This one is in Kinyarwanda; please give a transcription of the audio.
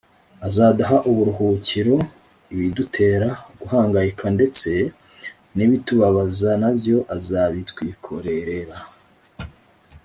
azaduha uburuhukiro ibidutera guhangayika ndetse n’ibitubabaza na byo azabitwikorerera